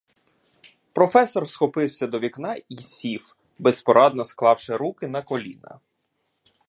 Професор схопився до вікна й сів, безпорадно склавши руки на коліна.